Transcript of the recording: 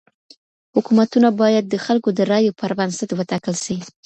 حکومتونه بايد د خلګو د رايو پر بنسټ وټاکل سي.